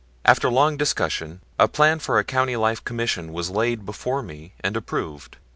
After long discussion a plan for a Country Life Commission was laid before me and approved.